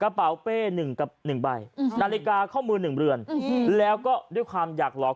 เป๋เป้หนึ่งกับหนึ่งใบนาฬิกาข้อมือหนึ่งเรือนแล้วก็ด้วยความอยากหลอก